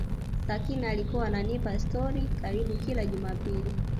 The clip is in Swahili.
Sakina alikuwa ananipa stori karibu kila Jumapili